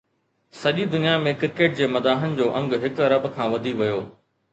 سڄي دنيا ۾ ڪرڪيٽ جي مداحن جو انگ هڪ ارب کان وڌي ويو آهي